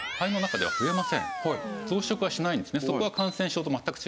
増殖はしないんですね。